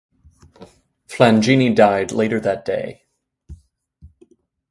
Flangini died later that day.